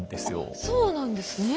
あっそうなんですね。